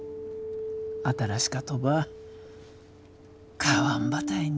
新しかとば買わんばたいね。